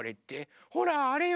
ほらあれよ。